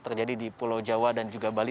terjadi di pulau jawa dan juga bali